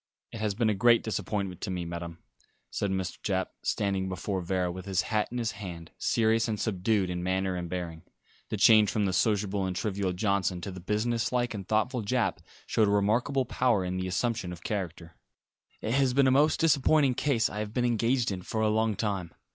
"It has been a great disappointment to me, Madam," said Mr. Japp, standing before Vera, with his hat in his hand, serious and subdued in manner and bearing. The change from the sociable and trivial Johnson to the business like and thoughtful Japp showed a remarkable power in the assumption of character. "It has been the most disappointing case I have been engaged in for a long time.